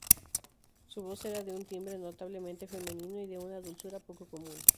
Su voz era de un timbre notablemente femenino y de una dulzura poco común.